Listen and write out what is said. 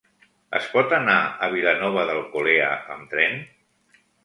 Es pot anar a Vilanova d'Alcolea amb tren?